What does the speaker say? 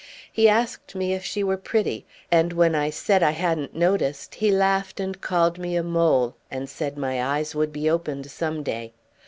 He asked me if she were pretty; and when I said I hadn't noticed, he laughed and called me a mole, and said my eyes would be opened some day.